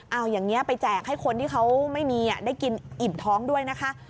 เอาอย่างนี้ไปแจกให้คนที่เขาไม่มีได้กินอิ่มท้องด้วยนะคะ